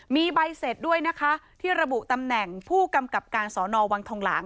มีใบเสร็จด้วยนะคะที่ระบุตำแหน่งผู้กำกับการสอนอวังทองหลาง